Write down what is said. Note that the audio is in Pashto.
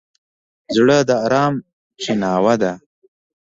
زړه د ارام چیناوه ده.